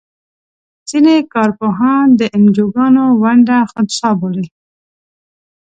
ځینې کار پوهان د انجوګانو ونډه خنثی بولي.